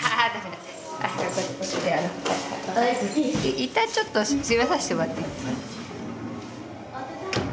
一旦ちょっと閉めさせてもらっていいですか。